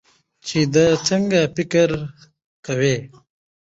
چې د څنګه فکر کوي